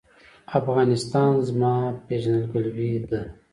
افغانستان زما پیژندګلوي ده؟